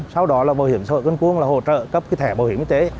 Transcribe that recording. sau đó bảo hiểm xã hội con cuông hỗ trợ cấp thẻ bảo hiểm y tế